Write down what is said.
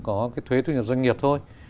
có cái thuế thu nhập doanh nghiệp thôi